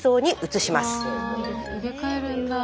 あ入れ替えるんだ。